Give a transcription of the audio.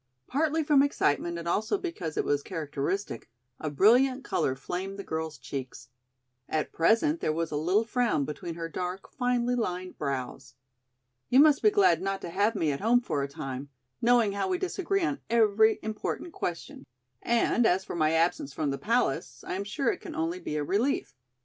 Partly from excitement and also because it was characteristic, a brilliant color flamed the girl's cheeks. At present there was a little frown between her dark, finely lined brows. "You must be glad not to have me at home for a time, knowing how we disagree on every important question. And, as for my absence from the palace, I am sure it can only be a relief.